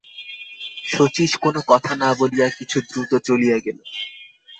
শচীশ কোনো কথা না বলিয়া কিছু দ্রুত চলিয়া গেল।